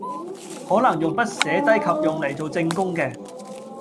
可能用筆寫低及用嚟做證供嘅